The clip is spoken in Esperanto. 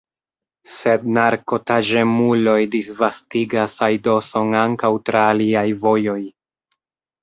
Sed narkotaĵemuloj disvastigas aidoson ankaŭ tra aliaj vojoj.